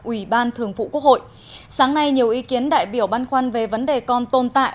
ủy ban thường vụ quốc hội sáng nay nhiều ý kiến đại biểu băn khoăn về vấn đề còn tồn tại